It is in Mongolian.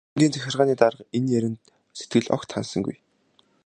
Байшингийн захиргааны дарга энэ ярианд сэтгэл огт ханасангүй.